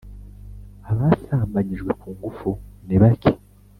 Abasambanyijwe ku ngufu nibake.